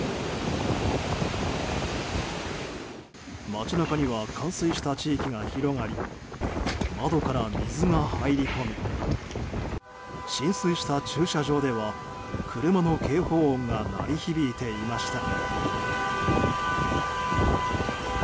街中には冠水した地域が広がり窓から水が入り込み浸水した駐車場では車の警報音が鳴り響いていました。